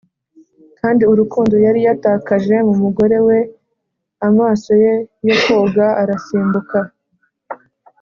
kandi urukundo yari yatakaje mu mugore we amaso ye yo koga arasimbuka;